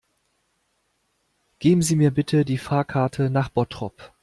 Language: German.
Geben Sie mir bitte die Fahrkarte nach Bottrop